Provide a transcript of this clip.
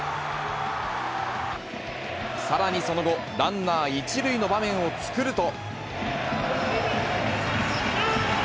さらにその後、ランナー一塁の場面を作ると。